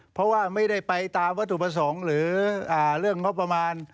เพราะว่าไม่ได้ไปตามวัตถุประสงค์หรือเรื่องงบประมาณ